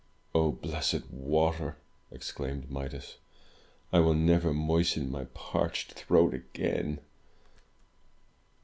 "Oh blessed water!" exclaimed Midas. "I will never moisten my parched throat again!"